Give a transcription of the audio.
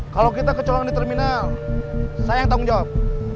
kalau kita kecolongan di terminal saya yang tanggung jawab